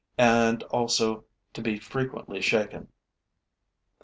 and also to be frequently shaken.